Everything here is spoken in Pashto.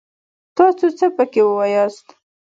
تاڅو څه پکې واياست!